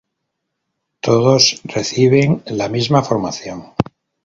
Todos reciben la misma formación.